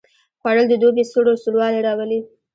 خوړل د دوبي سوړ والی راولي